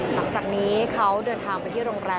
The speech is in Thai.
หลังจากนี้เขาเดินทางไปที่โรงแรม